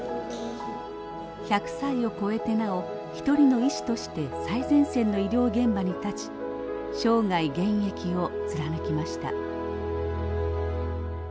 １００歳を超えてなお一人の医師として最前線の医療現場に立ち生涯現役を貫きました。